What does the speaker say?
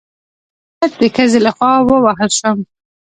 زه د ښځې له خوا ووهل شوم